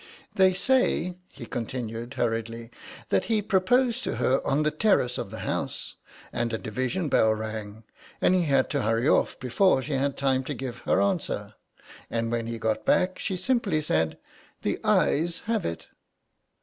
"They say," he continued, hurriedly, "that he proposed to her on the Terrace of the House, and a division bell rang, and he had to hurry off before she had time to give her answer, and when he got back she simply said, 'the Ayes have it.